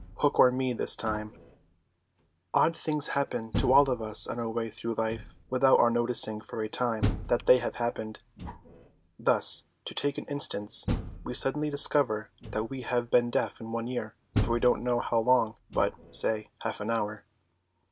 "HOOK OR ME THIS TIME" Odd things happen to all of us on our way through life without our noticing for a time that they have happened. Thus, to take an instance, we suddenly discover that we have been deaf in one ear for we don't know how long, but, say, half an hour.